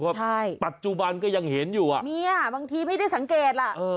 ปัจจุบันก็ยังเห็นอยู่อ่ะเนี่ยบางทีไม่ได้สังเกตล่ะเออ